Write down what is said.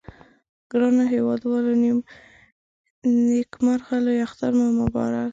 ګرانو هیوادوالو نیکمرغه لوي اختر مو مبارک